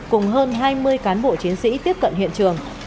cùng hơn hai mươi cán bộ chiến sĩ tiếp cận hiện trường